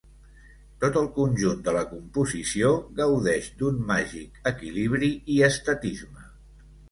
Tot el conjunt de la composició gaudeix d'un màgic equilibri i estatisme.